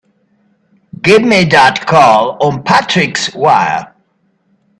Give me that call on Patrick's wire!